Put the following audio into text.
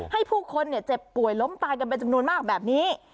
ให้ผู้คนเจ็บป่วยล้มตายกันเป็นจำนวนมากแบบนี้